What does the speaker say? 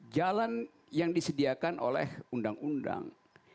jalan yang disediakan oleh undang undang